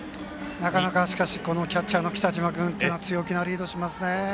なかなか、しかしこのキャッチャーの北島君っていうのは強気なリードしますね。